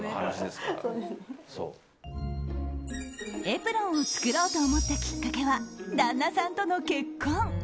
エプロンを作ろうと思ったきっかけは旦那さんとの結婚。